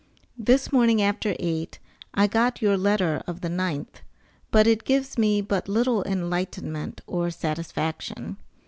This morning after eight, I got your letter of the 9th, but it gives me but little enlightenment or satisfaction.